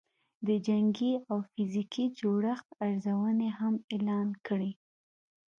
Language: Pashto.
د جنګي او فزیکي جوړښت ارزونې هم اعلان کړې